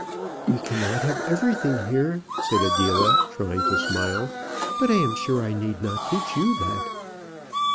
"We cannot have everything here," said Adela, trying to smile. "But I am sure I need not teach you that."